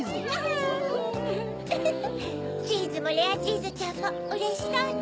ウフフチーズもレアチーズちゃんもうれしそうね。